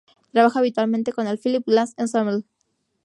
Trabaja habitualmente con el Philip Glass Ensemble.